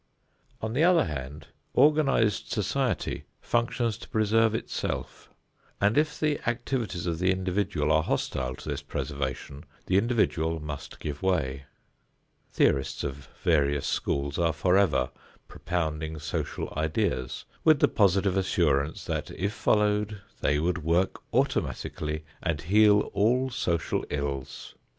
On the other hand, organized society functions to preserve itself, and if the activities of the individual are hostile to this preservation the individual must give way. Theorists of various schools are forever propounding social ideas, with the positive assurance that, if followed, they would work automatically and heal all social ills.